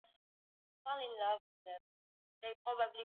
walitumia sana Wakristo Wagiriki na Waarmenia kutokana